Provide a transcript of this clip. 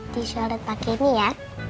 disyaret pakai ini ya